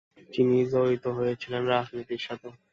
তিনি জড়িত হয়েছিলেন রাজনীতির সাথে।